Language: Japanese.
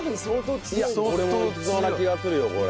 俺もいきそうな気がするよこれ。